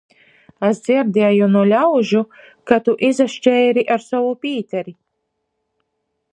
Es dzierdieju nu ļaužu, ka tu izaškeiri ar sovu Pīteri?